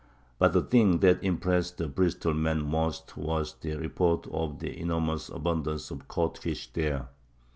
But the thing that impressed the Bristol men most was the report of the enormous abundance of codfish there.